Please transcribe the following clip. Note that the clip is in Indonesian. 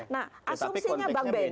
nah asumsinya bang benny